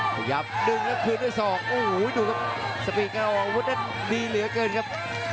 พยายามดึงแล้วคืนด้วยศอกโอ้โหดูครับสปีดการออกอาวุธนั้นดีเหลือเกินครับ